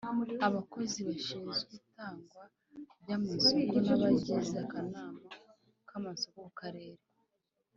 Abakozi bashinzwe itangwa ry amasoko n abagize akanama k amasoko ku Karere